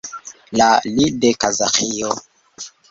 La li de Kazaĥio.